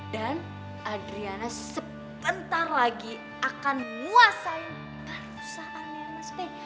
dan adriana sebentar lagi akan nguasain perusahaannya mas b